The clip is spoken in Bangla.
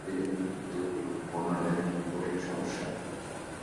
সেইজন্য হিন্দুর জীবনে কন্যা যেন একটি কঠিন সমস্যা।